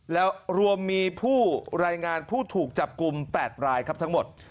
แล้วรวมมีผู้รายงานผู้ถูกจับกลุ่ม๘รายครับทั้งหมด